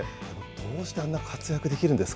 どうしてあんな活躍できるんです